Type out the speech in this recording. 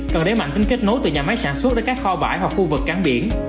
cần đẩy mạnh tính kết nối từ nhà máy sản xuất đến các kho bãi hoặc khu vực cảng biển